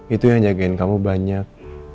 itu yang jagain kamu banyak